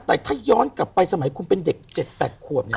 แต่ถ้าย้อนกลับไปสมัยคุณเป็นเด็ก๗๘ขวบเนี่ย